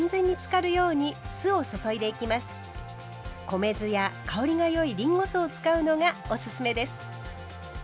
米酢や香りがよいりんご酢を使うのがおすすめです。